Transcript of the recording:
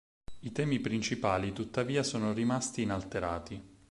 I temi principali tuttavia sono rimasti inalterati.